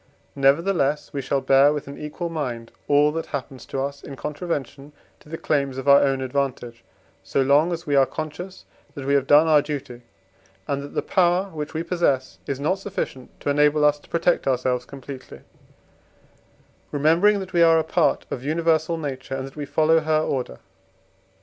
Nevertheless, we shall bear with an equal mind all that happens to us in contravention to the claims of our own advantage, so long as we are conscious, that we have done our duty, and that the power which we possess is not sufficient to enable us to protect ourselves completely; remembering that we are a part of universal nature, and that we follow her order.